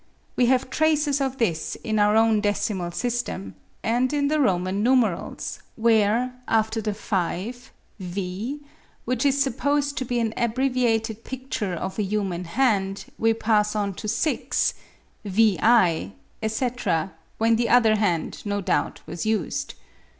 We have traces of this in our own decimal system, and in the Roman numerals, where, after the V, which is supposed to be an abbreviated picture of a human hand, we pass on to VI, etc., when the other hand no doubt was used.